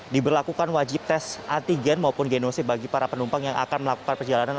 diberlakukan wajib tes antigen maupun genosi bagi para penumpang yang akan melakukan perjalanan